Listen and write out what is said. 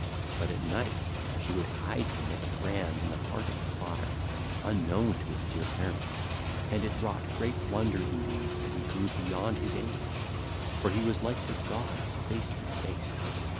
But at night she would hide him like a brand in the heart of the fire, unknown to his dear parents. And it wrought great wonder in these that he grew beyond his age; for he was like the gods face to face.